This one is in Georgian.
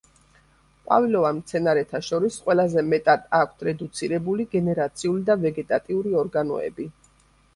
ყვავილოვან მცენარეთა შორის ყველაზე მეტად აქვთ რედუცირებული გენერაციული და ვეგეტატიური ორგანოები.